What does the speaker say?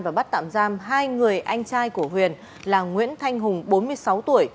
và bắt tạm giam hai người anh trai của huyền là nguyễn thanh hùng bốn mươi sáu tuổi